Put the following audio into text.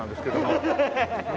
アハハハ。